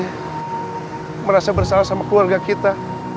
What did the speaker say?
saya merasa bersalah sama keluarga kita